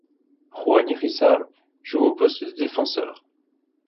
Juan Irízar joue au poste de défenseur.